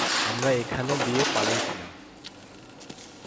আমরা এখান দিয়ে পালিয়েছিলাম।